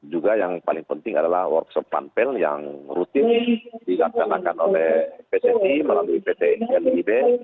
juga yang paling penting adalah workshop panpel yang rutin dilaksanakan oleh pssi melalui pt lib